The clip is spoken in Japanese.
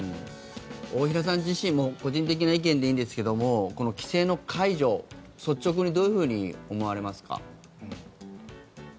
大平さん自身も個人的な意見でいいんですけども規制の解除、率直にどういうふうに思われますか？